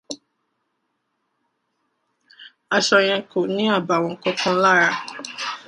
Aṣọ yẹn kò ní àbàwọ́ kankan lára.